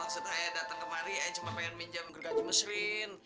saya datang kemari cuma mau pinjam gaji mesrin